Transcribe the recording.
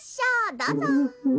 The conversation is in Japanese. どうぞ。